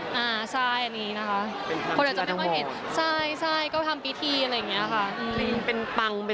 ไม่ใช่ค่ะอันนี้ก็คือเป็นรอยสัก